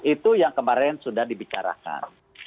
itu yang kemarin sudah dibicarakan